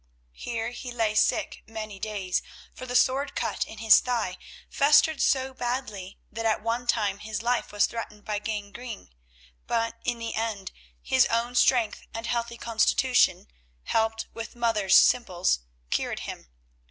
Here he lay sick many days, for the sword cut in his thigh festered so badly that at one time his life was threatened by gangrene, but, in the end, his own strength and healthy constitution, helped with Martha's simples, cured him.